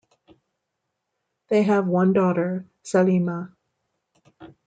They have one daughter, Salima.